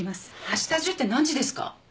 明日中って何時ですか？